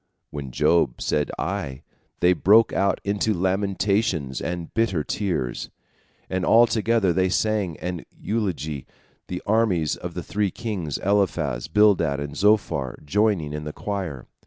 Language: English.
And when Job said Aye, they broke out into lamentations and bitter tears, and all together they sang an elegy, the armies of the three kings, Eliphaz, Bildad, and Zophar, joining in the choir.